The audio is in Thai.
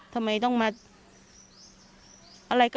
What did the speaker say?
ทำไมต้องมา